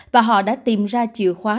và họ đã tìm ra chìa khóa